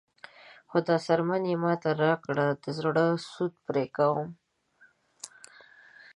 خو دا څرمن یې ماته راکړه د زړه سود پرې کوم.